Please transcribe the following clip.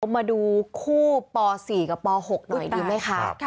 มาดูคู่ป๔กับป๖หน่อยดีไหมคะ